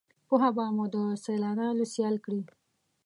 پوهه به مو دسیالانوسیال کړي